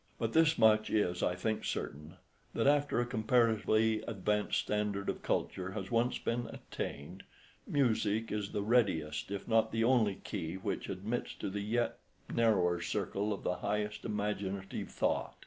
But this much is, I think, certain, that after a comparatively advanced standard of culture has once been attained, music is the readiest if not the only key which admits to the yet narrower circle of the highest imaginative thought.